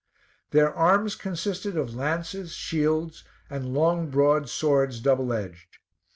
Their arms consisted of lances, shields and long broad swords double edged.